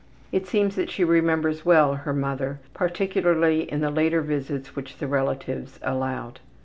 It seems that she remembers well her mother, particularly in the later visits which the relatives allowed.